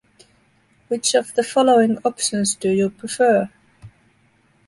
Which of the following options do you prefer?